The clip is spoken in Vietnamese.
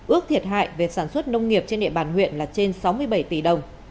ước thiệt hại về sản xuất nông nghiệp trên địa bàn huyện là trên sáu mươi bảy tỷ đồng